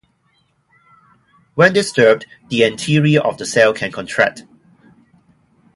When disturbed, the anterior of the cell can contract.